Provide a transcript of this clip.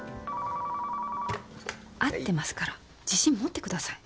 合ってますから自信持ってください。